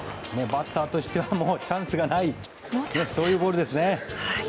バッターとしてはチャンスがないというボールですね。